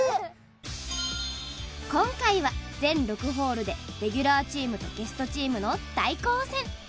今回は全６ホールでレギュラーチームとゲストチームの対抗戦。